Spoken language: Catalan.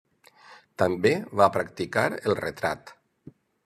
També va practicar el retrat.